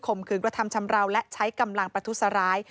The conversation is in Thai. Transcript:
มขืนกระทำชำราวและใช้กำลังประทุษร้าย